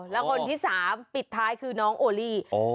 แล้วคนที่๓ปิดท้ายคือน้องโอลี่